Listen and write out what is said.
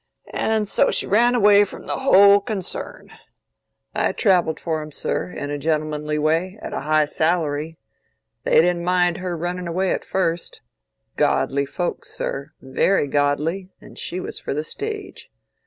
And so she ran away from the whole concern. I travelled for 'em, sir, in a gentlemanly way—at a high salary. They didn't mind her running away at first—godly folks, sir, very godly—and she was for the stage.